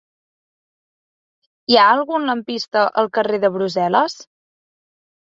Hi ha algun lampista al carrer de Brussel·les?